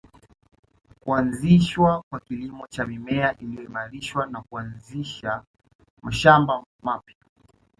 Kuanzishwa kwa kilimo cha mimea iliyoimarishwa na kuanzisha mashamba mapya